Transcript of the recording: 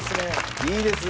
いいですね。